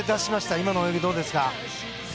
今の泳ぎ、どうですか？